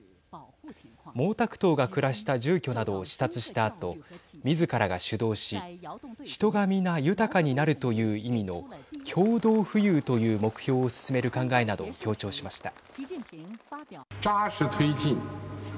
毛沢東が暮らした住居などを視察したあとみずからが主導し人が皆、豊かになるという意味の共同富裕という目標を進める考えなどを強調しました。